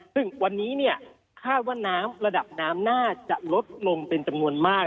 ซึ่งวันนี้เนี่ยคาดว่าน้ำระดับน้ำน่าจะลดลงเป็นจำนวนมาก